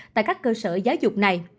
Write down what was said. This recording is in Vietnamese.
tại các cơ sở giáo dục này